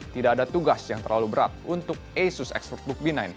tidak ada tugas yang terlalu berat untuk asus expertbook b sembilan